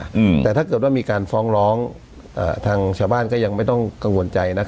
อืมแต่ถ้าเกิดว่ามีการฟ้องร้องอ่าทางชาวบ้านก็ยังไม่ต้องกังวลใจนะ